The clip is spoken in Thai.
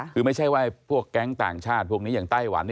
คือไม่ใช่ว่าพวกแก๊งต่างชาติพวกนี้อย่างไต้หวัน